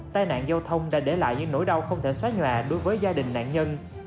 tai nạn giao thông đã để lại những nỗi đau không thể xóa nhà đối với gia đình nạn nhân